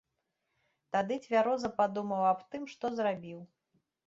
Тады цвяроза падумаў аб тым, што зрабіў.